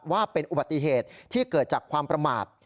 ว่าเป็นอุบัติเหตุที่เกิดจากความประมาท